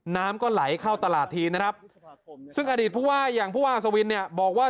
น้ำก็ไหลเข้าตลาดทีนะครับซึ่งอดีตผู้ว่าอย่างผู้ว่าอัศวินเนี่ยบอกว่า